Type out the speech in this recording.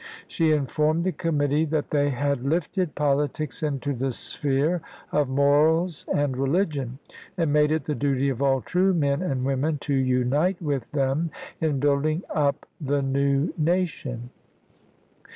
She informed the committee that they had " lifted politics into the sphere of morals and religion, and made it the duty of all true men and women to unite with them in building up the New Nation."